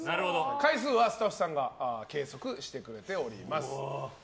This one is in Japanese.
回数はスタッフさんが計測してくれております。